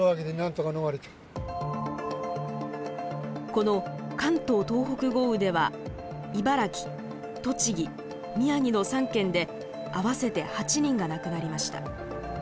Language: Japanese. この関東・東北豪雨では茨城栃木宮城の３県で合わせて８人が亡くなりました。